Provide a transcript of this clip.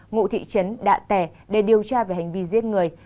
ngụ thị trấn đạ tẻ để điều tra về hành vi giết người